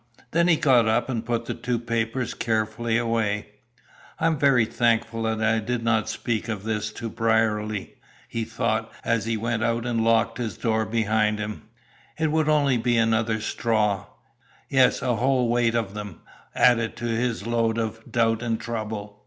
Then he got up and put the two papers carefully away. "I'm very thankful that I did not speak of this to Brierly," he thought as he went out and locked his door behind him. "It would be only another straw yes, a whole weight of them, added to his load of doubt and trouble."